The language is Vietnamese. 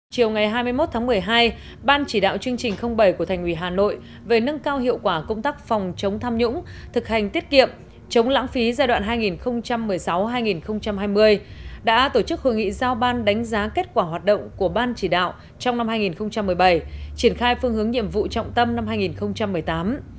chiều ngày hai mươi một tháng một mươi hai ban chỉ đạo chương trình bảy của thành ủy hà nội về nâng cao hiệu quả công tác phòng chống tham nhũng thực hành tiết kiệm chống lãng phí giai đoạn hai nghìn một mươi sáu hai nghìn hai mươi đã tổ chức hội nghị giao ban đánh giá kết quả hoạt động của ban chỉ đạo trong năm hai nghìn một mươi bảy triển khai phương hướng nhiệm vụ trọng tâm năm hai nghìn một mươi tám